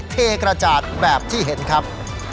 เทกระจาดแบบที่เห็นครับ